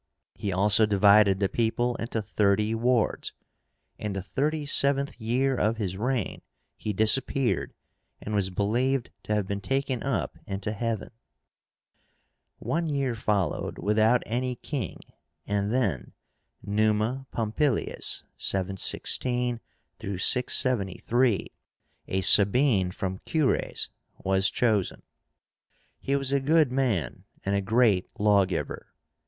He also divided the people into thirty wards. In the thirty seventh year of his reign he disappeared, and was believed to have been taken up into heaven. One year followed without any king, and then NUMA POMPILIUS(716 673), a Sabine from Cures, was chosen. He was a good man, and a great lawgiver.